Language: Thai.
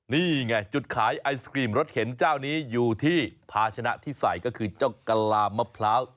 นี่ไงจุดขายไอศกรีมรถเข็นเจ้านี้อยู่ที่ภาชนะที่ใส่ก็คือเจ้ากะลามะพร้าว